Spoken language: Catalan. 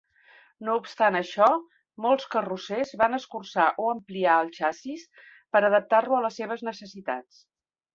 No obstant això, molts carrossers van escurçar o ampliar el xassís per adaptar-lo a les seves necessitats.